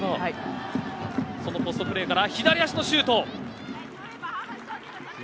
そのポストプレーから左足のシュート。